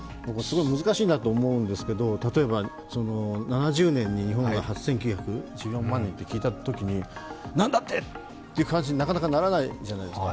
難しいなと思うんですけど７０年に日本が８９１４万人と聞いたときになんだって！という感じになかなかならないじゃないですか。